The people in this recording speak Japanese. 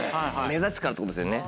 目立つからってことですよね。